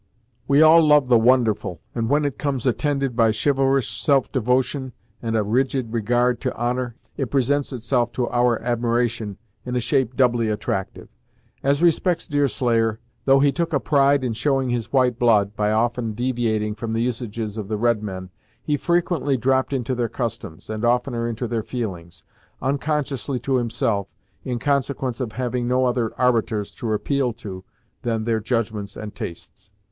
We all love the wonderful, and when it comes attended by chivalrous self devotion and a rigid regard to honor, it presents itself to our admiration in a shape doubly attractive. As respects Deerslayer, though he took a pride in showing his white blood, by often deviating from the usages of the red men, he frequently dropped into their customs, and oftener into their feelings, unconsciously to himself, in consequence of having no other arbiters to appeal to, than their judgments and tastes.